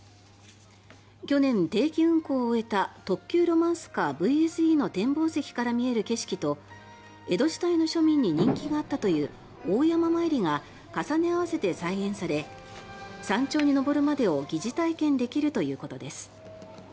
去年、定期運行を終えた特急ロマンスカーＶＳＥの展望席から見える景色と江戸時代の庶民に人気があったという大山詣りが重ね合わせて再現され山頂に登るまでを疑似体験できるということです。